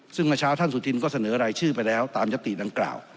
ซึ่งเมื่อเช้าท่านสุธินก็เสนอรายชื่อไปแล้วตามยติดังกล่าว